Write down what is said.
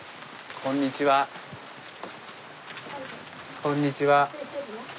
こんにちは。